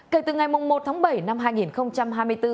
kể từ ngày một tháng bảy năm hai nghìn hai mươi bốn